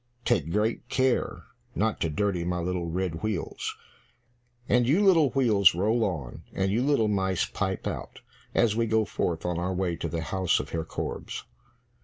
Take great care not to dirty my little red wheels. And you little wheels, roll on, and you little mice pipe out, as we go forth on our way to the house of Herr Korbes."